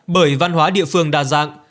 bởi văn hóa địa phương đa dạng